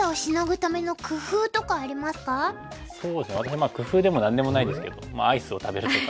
私工夫でも何でもないですけどアイスを食べるとか。